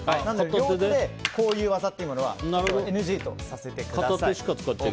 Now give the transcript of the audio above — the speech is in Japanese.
両手でこういうのはＮＧとさせてください。